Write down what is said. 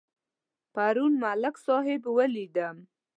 پرون ملک صاحب ولیدم.